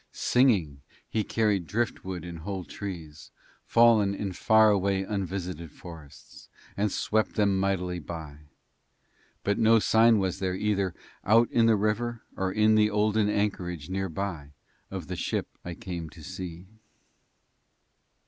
Singing he carried drift wood and whole trees, fallen in far away, unvisited forests, and swept them mightily by, but no sign was there either out in the river or in the olden anchorage near by of the ship I came to see.